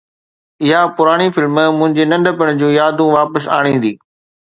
اها پراڻي فلم منهنجي ننڍپڻ جون يادون واپس آڻيندي